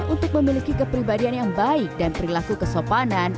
untuk memiliki kepribadian yang baik dan perilaku kesopanan